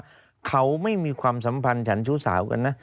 เขาไม่มีความสัมพันธ์ฉันชู้สาวกันนะ